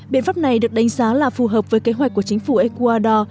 biện pháp này được đánh giá là phù hợp với kế hoạch của chính phủ ecuador